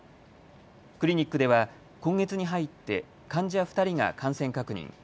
クリニックでは今月に入って患者２人が感染確認。